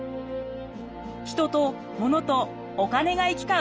人とものとお金が行き交う